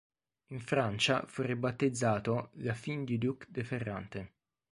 In Francia, fu ribattezzato "La Fin du duc de Ferrante".